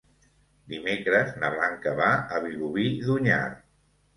Dimecres na Blanca va a Vilobí d'Onyar.